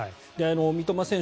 三笘選手